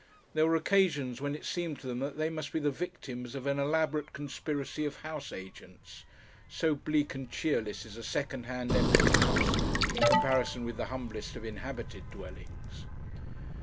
There were occasions when it seemed to them that they must be the victims of an elaborate conspiracy of house agents, so bleak and cheerless is a second hand empty house in comparison with the humblest of inhabited dwellings.